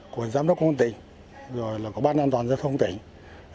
của giám đốc quân tỉnh rồi là có bán an toàn giao thông tỉnh